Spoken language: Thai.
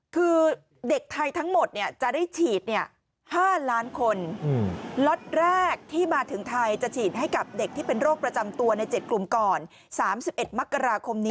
คือเด็กไทยทั้งหมดจะได้ฉีด๕ล้านคน